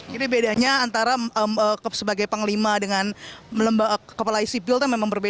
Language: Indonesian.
jadi bedanya antara sebagai panglima dengan kepala sipil itu memang berbeda ya pak